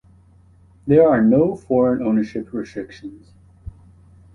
There are no foreign ownership restrictions.